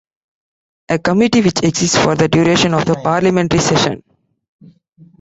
A committee which exists for the duration of a parliamentary session.